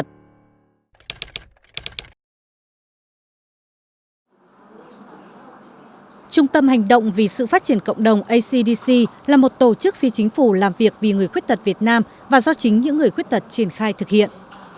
trung tâm hành động vì sự phát triển cộng đồng acdc là một tổ chức phi chính phủ làm việc vì người khuyết tật việt nam và do chính những người khuyết tật triển khai thực hiện